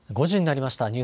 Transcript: ５時になりました。